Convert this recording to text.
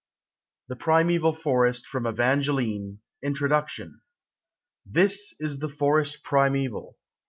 THE PRIMEVAL FOREST. FROM " EVANGELINE," INTRODUCTION. This is the forest primeval.